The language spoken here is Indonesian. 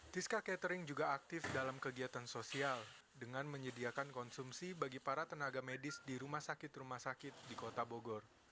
tiska catering juga aktif dalam kegiatan sosial dengan menyediakan konsumsi bagi para tenaga medis di rumah sakit rumah sakit di kota bogor